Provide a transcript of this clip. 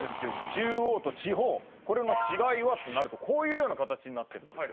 中央と地方これの違いはとなるとこういうような形になってます